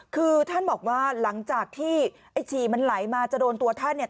คือท่านบอกว่าหลังจากที่ไอ้ฉี่มันไหลมาจะโดนตัวท่านเนี่ย